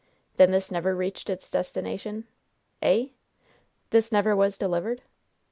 "Then this never reached its destination?" "Eh?" "This never was delivered?"